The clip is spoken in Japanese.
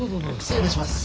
失礼いたします。